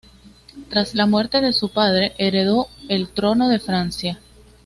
Tras la muerte de su padre heredó el trono de Francia.